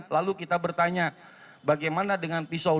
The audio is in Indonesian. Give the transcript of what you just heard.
lalu kita bertanya bagaimana dengan pisau